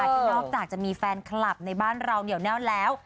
ที่นอกจากจะมีแฟนคลับในบ้านเราเหนียวแน่นแล้ว